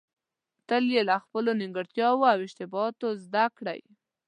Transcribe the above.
تل يې له خپلو نيمګړتياوو او اشتباهاتو زده کړئ.